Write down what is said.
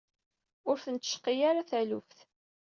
Ur ten-tecqi ara yakk taluft.